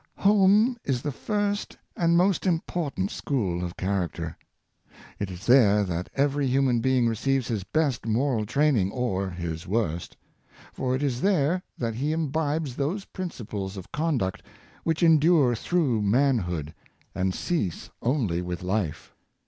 OME is the first and most important school of character. It is there that every human being receives his best moral training, or his worst; for it is there that he imbibes those principles of conduct v^hich endure through manhood, and cease only with life.